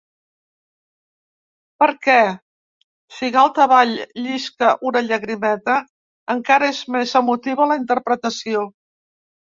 Perquè, si galta avall llisca una llagrimeta, encara és més emotiva la interpretació.